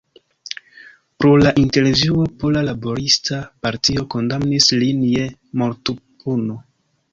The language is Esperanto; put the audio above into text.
Pro la intervjuo Pola Laborista Partio kondamnis lin je mortpuno.